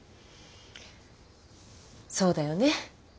そうだよね。